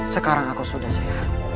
sekarang aku sudah sehat